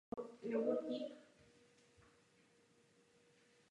Jednotkou je mol.kg.